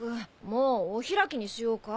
もうお開きにしようか？